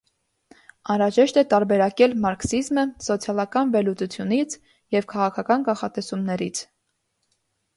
Անհրաժեշտ է տարբերակել մարքսիզմը սոցիալական վերլուծությունից և քաղաքական կանխատեսումներից։